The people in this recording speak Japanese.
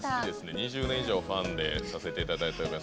２０年以上ファンで聴かせていただいています。